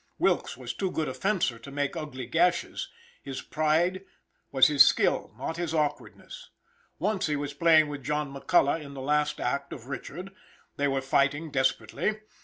Wilkes was too good a fencer to make ugly gashes; his pride was his skill, not his awkwardness. Once he was playing with John McCullough in the last act of "Richard." They were fighting desperately.